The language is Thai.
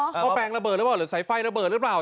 หมอแปงระเบิร์ดรึเปล่าหรือสายใฝลระเบิดรึเปล่า